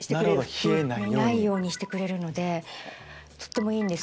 冷えないようにしてくれるのでとってもいいんです。